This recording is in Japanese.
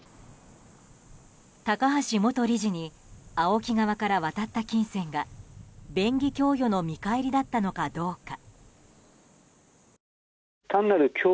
高橋元理事にＡＯＫＩ側から渡った金銭が便宜供与の見返りだったのかどうか。